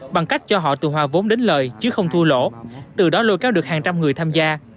bằng cách cho họ từ hòa vốn đến lời chứ không thua lỗ từ đó lôi kéo được hàng trăm người tham gia